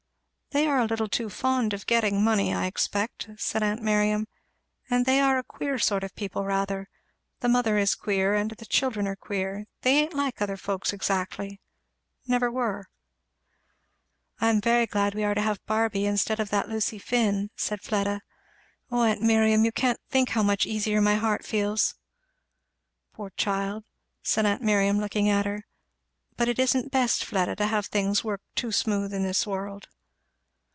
"They are a little too fond of getting money I expect," said aunt Miriam. "And they are a queer sort of people rather the mother is queer and the children are queer they ain't like other folks exactly never were." "I am very glad we are to have Barby instead of that Lucy Finn," said Fleda. "O aunt Miriam! you can't think how much easier my heart feels." "Poor child!" said aunt Miriam looking at her. "But it isn't best, Fleda, to have things work too smooth in this world."